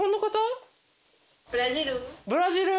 ブラジル。